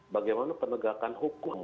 bagaimana penegakan hukum